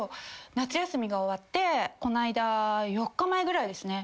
夏休みが終わってこないだ４日前ぐらいですね。